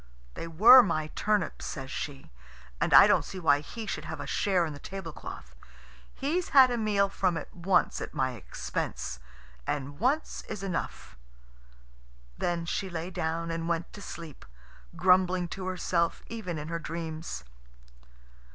"They were my turnips," says she, "and I don't see why he should have a share in the tablecloth. He's had a meal from it once at my expense, and once is enough." Then she lay down and went to sleep, grumbling to herself even in her dreams.